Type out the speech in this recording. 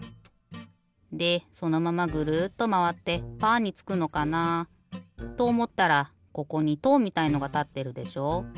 でそのままグルッとまわってパーにつくのかなとおもったらここにとうみたいのがたってるでしょ。